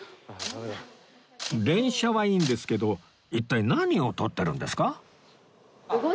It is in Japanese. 連写はいいんですけど一体何を撮ってるんですか？